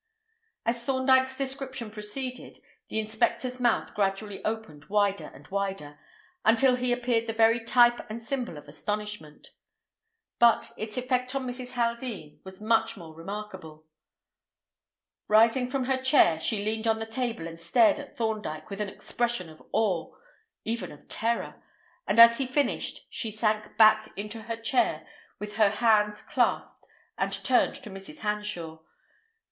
As Thorndyke's description proceeded, the inspector's mouth gradually opened wider and wider, until he appeared the very type and symbol of astonishment. But its effect on Mrs. Haldean was much more remarkable. Rising from her chair, she leaned on the table and stared at Thorndyke with an expression of awe—even of terror; and as he finished she sank back into her chair, with her hands clasped, and turned to Mrs. Hanshaw.